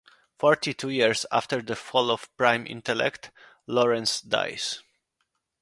Forty-two years after the fall of Prime Intellect, Lawrence dies.